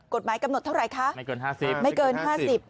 กฎหมายกำหนดเท่าไหร่คะไม่เกินห้าสิบไม่เกินห้าสิบ